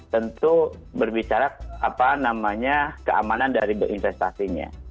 tentu berbicara apa namanya keamanan dari berinvestasinya